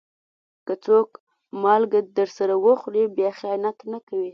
که څوک مالګه درسره وخوري، بیا خيانت نه کوي.